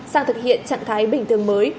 sang thực hiện trạng thái bình thường mới